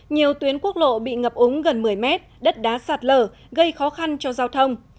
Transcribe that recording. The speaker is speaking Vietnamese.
nhiều tuyến quốc lộ bị ngập úng gần một mươi mét đất đá sạt lở gây khó khăn cho giao thông